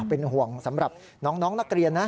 เป็นห่วงสำหรับน้องนักเรียนนะ